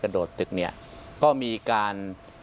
อันดับที่สุดท้าย